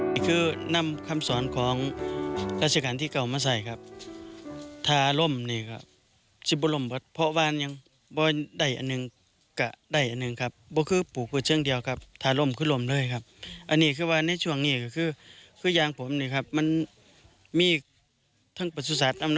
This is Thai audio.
เมื่อทำเกษตรเชิงเดียวให้ผู้ชายพบใหม่